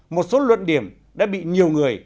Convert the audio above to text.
một số luận điểm đã bị nhiều người